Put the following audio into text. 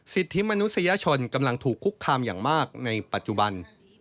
สิทธิมนุษยชนกำลังถูกคุกคามอย่างมากในปัจจุบัน